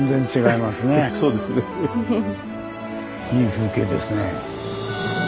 いい風景ですね。